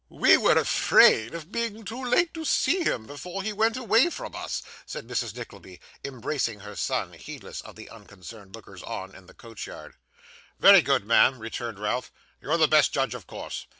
'We were afraid of being too late to see him before he went away from us,' said Mrs. Nickleby, embracing her son, heedless of the unconcerned lookers on in the coach yard. 'Very good, ma'am,' returned Ralph, 'you're the best judge of course.